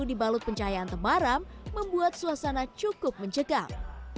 lalu dibalut pencahayaan temaram membuat suasana cukup mencegah